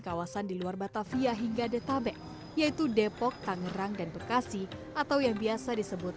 kawasan diluar batavia hingga dettabek yaitu depok tangerang dan tukasi atau yang biasa disebut